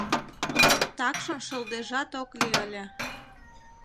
Такшым шылдежат ок лий ыле.